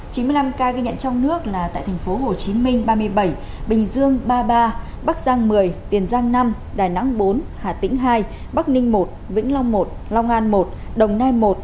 chín mươi năm ca ghi nhận trong nước là tại tp hcm ba mươi bảy bình dương ba mươi ba bắc giang một mươi tiền giang năm đà nẵng bốn hà tĩnh hai bắc ninh một vĩnh long một long an một đồng nai một